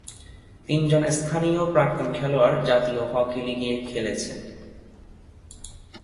তিনজন স্থানীয় প্রাক্তন খেলোয়াড় জাতীয় হকি লীগে খেলেছেন।